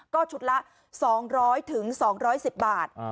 ก็ชุดละ๒๐๐๒๑๐บาท